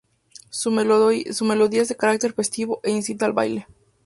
Su melodía es de carácter festivo e incita al baile.